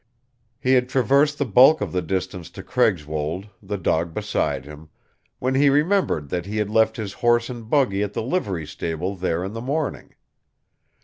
He had traversed the bulk of the distance to Craigswold, the dog beside him, when he remembered that he had left his horse and buggy at the livery stable there in the morning.